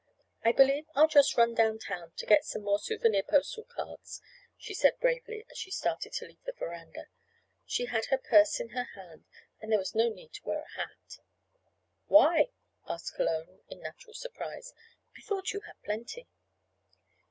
"I believe I'll just run down town to get some more souvenir postal cards," she said bravely, as she started to leave the veranda. She had her purse in her hand, and there was no need to wear a hat. "Why?" asked Cologne in natural surprise. "I thought you had plenty."